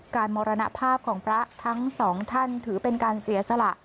มรณภาพของพระทั้งสองท่านถือเป็นการเสียสละ